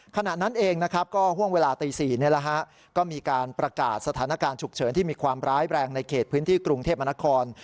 ขณะนั้นเองนะครับก็ห่วงเวลาตี๔ก็มีการประกาศสถานการณ์ฉุกเฉินที่มีความร้ายแรงในเขตพื้นที่กรุงเทพมนคร